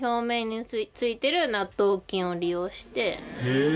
へえ。